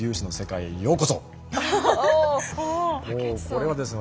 これはですね